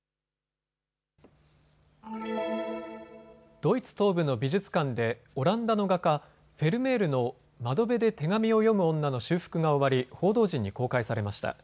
ドイツ東部の美術館でオランダの画家、フェルメールの窓辺で手紙を読む女の修復が終わり報道陣に公開されました。